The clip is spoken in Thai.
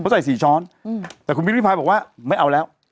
เพราะใส่สี่ช้อนอืมแต่คุณพีชพายบอกว่าไม่เอาแล้ว